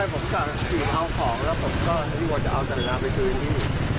ผมจะเอาของแล้วผมก็จะเอาจักรยานไปซื้ออยู่